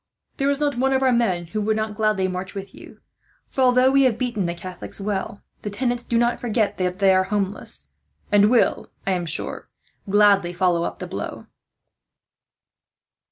There is not one of our men who would not gladly march with you, for although we have beaten the Catholics well, the tenants do not forget that they are homeless; and will, I am sure, gladly follow up the blow."